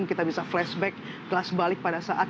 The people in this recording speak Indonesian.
kita bisa flashback kelas balik pada saat